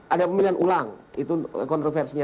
ada pemilihan ulang itu kontroversinya